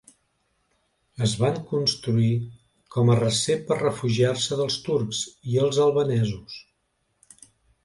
Es van construir com a recer per refugiar-se dels turcs i els albanesos.